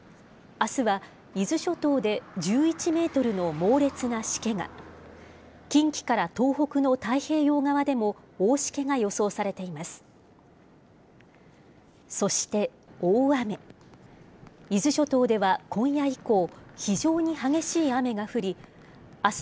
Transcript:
あすは伊豆諸島で１１メートルの猛烈なしけが、近畿から東北の太平洋側でも、大しけが予想されています。